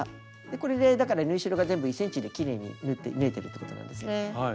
これでだから縫い代が全部１ｃｍできれいに縫えてるってことなんですね。